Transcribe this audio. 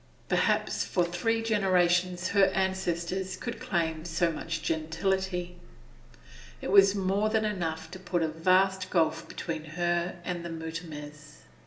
Perhaps for three generations her ancestors could claim so much gentility; it was more than enough to put a vast gulf between her and the Mutimers.